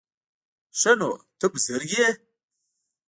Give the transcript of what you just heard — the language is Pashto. _ښه نو، ته بزرګ يې؟